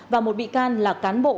và một bị can là cán bộ